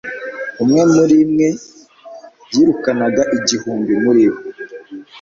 umwe muri mwe yirukanaga igihumbi muri bo